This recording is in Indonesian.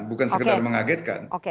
bukan sekedar mengagetkan